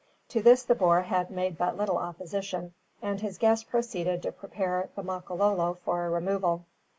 To this the boer had made but little opposition, and his guest proceeded to prepare the Makololo for a removal.